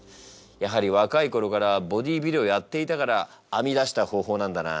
やはり若い頃からボディービルをやっていたから編み出した方法なんだな。